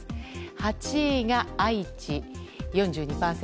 ８位が愛知、４２％。